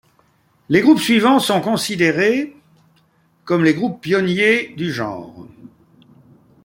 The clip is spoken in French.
Les groupes suivants sont considérées comme les groupes pionniers du genre.